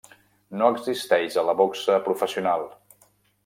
No existeix a la boxa professional.